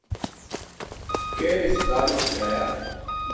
کیل ہسپتال ما پوہچایا